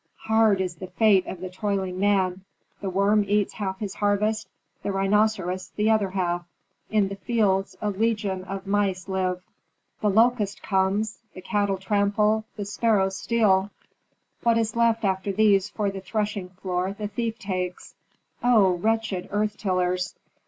Hard is the fate of the toiling man. The worm eats half his harvest, the rhinoceros the other half; in the fields, a legion of mice live; the locust comes, the cattle trample, the sparrows steal. What is left after these for the threshing floor the thief takes. Oh, wretched earth tillers!